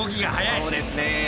そうですね。